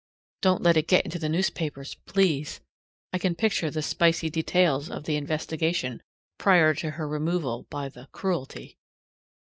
Don't let it get into the newspapers, please. I can picture the spicy details of the investigation prior to her removal by the "Cruelty."